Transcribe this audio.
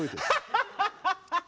ハハハハハ。